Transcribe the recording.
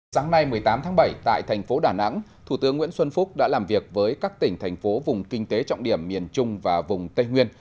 sáng nay một mươi tám tháng bảy tại thành phố đà nẵng thủ tướng nguyễn xuân phúc đã làm việc với các tỉnh thành phố vùng kinh tế trọng điểm miền trung và vùng tây nguyên